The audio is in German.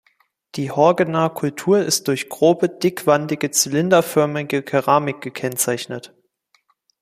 Die Horgener Kultur ist durch grobe, dickwandige, zylinderförmige Keramik gekennzeichnet.